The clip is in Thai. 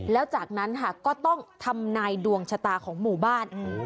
แล้วจากนั้นค่ะก็ต้องทำนายดวงชะตาของหมู่บ้าน